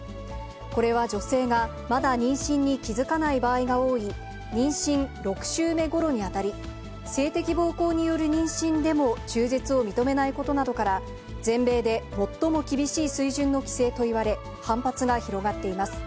これは女性が、まだ妊娠に気付かない場合が多い妊娠６週目ごろに当たり、性的暴行による妊娠でも中絶を認めないことなどから、全米で最も厳しい水準の規制といわれ、反発が広がっています。